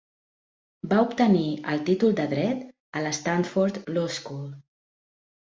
Va obtenir el títol de Dret a la Stanford Law School.